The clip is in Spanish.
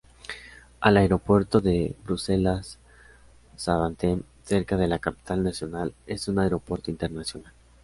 El Aeropuerto de Bruselas-Zaventem, cerca de la capital nacional, es un aeropuerto internacional.